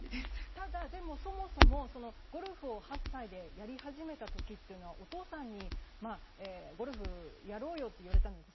ただ、でもそもそもゴルフを８歳でやり始めた時というのはお父さんにゴルフやろうよと言われたんですか？